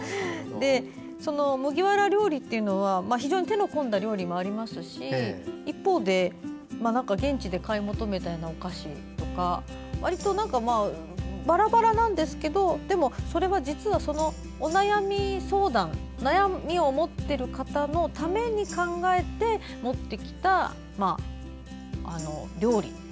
その麦わら料理というのは非常に手の込んだ料理もあり一方で現地で買い求めたお菓子とかわりと、バラバラなんですけどそれが実は悩みを持っている方のために考えて持ってきた料理。